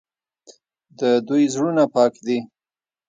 د دوی زړونه پاک دي.